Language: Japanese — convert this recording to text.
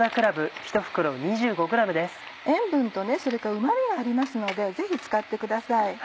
塩分とうま味がありますのでぜひ使ってください。